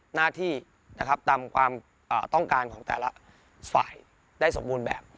หน้าที่นะครับตามความต้องการของแต่ละฝ่ายได้สมบูรณ์แบบ